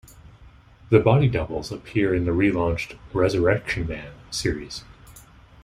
The Body Doubles appear in the relaunched "Resurrection Man" series.